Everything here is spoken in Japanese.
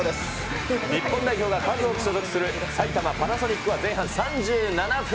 日本代表が数多く所属する埼玉パナソニックは前半３７分。